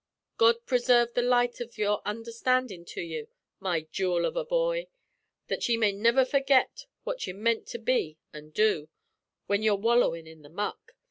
God preserve the light av your understandin' to you, my jewel av a bhoy, that ye may niver forget what you mint to be an' do, when you're wallowin' in the muck!